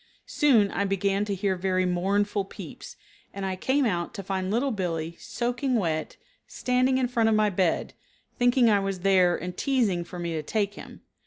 Soon I began to hear very mournful peeps, and I came out to find Little Billee, soaking wet, standing in front of my bed, thinking I was there and teasing for me to take him.